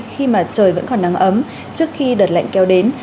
khi mà trời vẫn còn nắng ấm trước khi đợt lạnh kéo đến